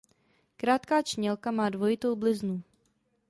Krátká čnělka má dvojitou bliznu.